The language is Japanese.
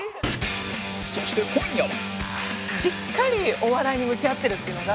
そして今夜は